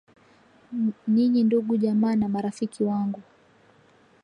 ninyi ndugu jamaa na marafiki wangu